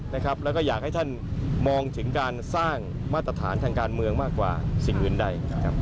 แล้วก็อยากให้ท่านมองถึงการสร้างมาตรฐานทางการเมืองมากกว่าสิ่งอื่นใดนะครับ